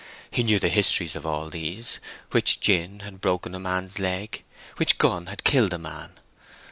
He knew the histories of all these—which gin had broken a man's leg, which gun had killed a man.